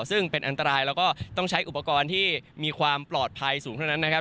ซึ่งเป็นอันตรายแล้วก็ต้องใช้อุปกรณ์ที่มีความปลอดภัยสูงเท่านั้นนะครับ